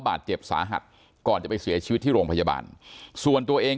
บาดเจ็บสาหัสก่อนจะไปเสียชีวิตที่โรงพยาบาลส่วนตัวเอง